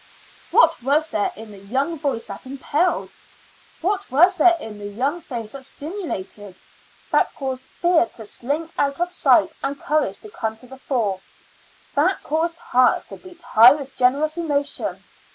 What was there in the young voice that impelled? What was there in the young face that stimulated, that caused fear to slink out of sight and courage to come to the fore, that caused hearts to beat high with generous emotion?